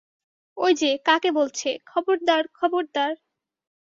ঐ যে, কাকে বলছে, খবরদার, খবরদার!